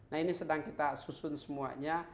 nah ini sedang kita susun semuanya